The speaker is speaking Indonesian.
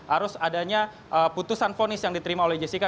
harus adanya putusan vonis yang diterima oleh jessica